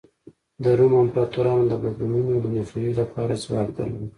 د روم امپراتورانو د بدلونونو د مخنیوي لپاره ځواک درلود.